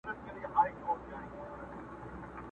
بیا نارې د یا قربان سوې له کیږدیو.!